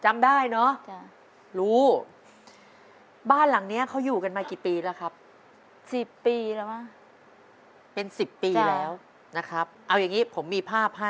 อะไรอย่างนี้